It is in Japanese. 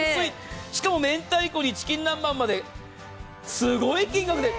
しかも、明太子のチキン南蛮まで、すごい金額で。